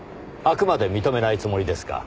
あくまで認めないつもりですか？